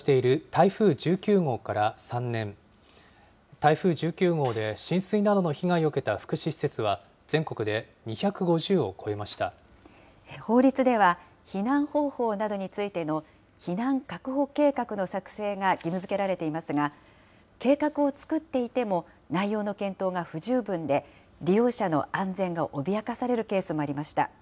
台風１９号で浸水などの被害を受けた福祉施設は、全国で２５０を法律では、避難方法などについての避難確保計画の作成が義務づけられていますが、計画を作っていても、内容の検討が不十分で、利用者の安全が脅かされるケースもありました。